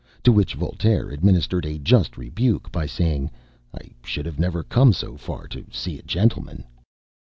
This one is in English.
To which Voltaire administered a just rebuke by saying, "I should never have come so far to see a gentleman!"